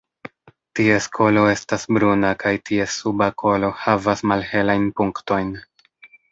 Ties kolo estas bruna kaj ties suba kolo havas malhelajn punktojn.